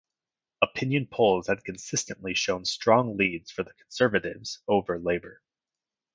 Opinion polls had consistently shown strong leads for the Conservatives over Labour.